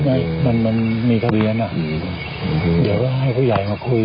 ยังไม่รู้มันมีทางเลี้ยงเดี๋ยวให้ผู้ใหญ่มาคุย